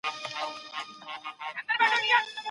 کاردستي د ماشومانو د فکر او عمل ترمنځ اړیکه زیاتوي.